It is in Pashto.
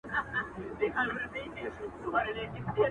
هر یوه چي مي په مخ کي پورته سر کړ!.